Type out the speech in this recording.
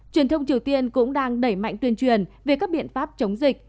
truyền thông triều tiên cũng đang đẩy mạnh tuyên truyền về các biện pháp chống dịch